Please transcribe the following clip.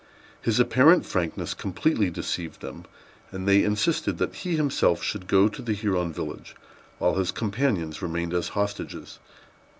His apparent frankness completely deceived them; and they insisted that he himself should go to the Huron village, while his companions remained as hostages.